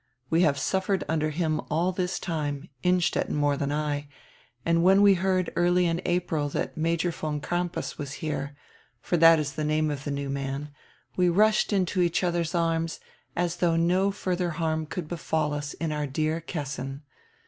We have suffered under him all this time, Innstetten more dian I, and when we heard early in April diat Major von Crampas was here — for diat is die name of die new man — we rushed into each odier's arms, as diough no furdier harm could befall us in our dear Kessin.